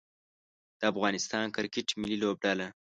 د افغانستان کرکټ ملي لوبډله